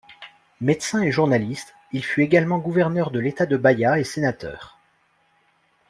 Médecin et journaliste, il fut également gouverneur de l'État de Bahia et sénateur.